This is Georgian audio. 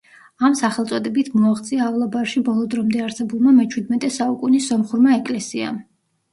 ამ სახელწოდებით მოაღწია ავლაბარში ბოლო დრომდე არსებულმა მეჩვიდმეტე საუკუნის სომხურმა ეკლესიამ.